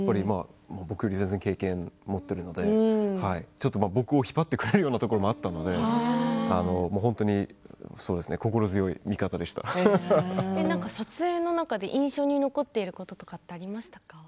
僕より全然経験を持っているのでちょっと僕を引っ張ってくれるようなところもあったので撮影の中で印象に残っていることとかありましたか。